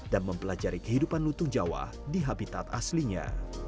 dan mempelajari kehidupan lutung jawa di habitat aslinya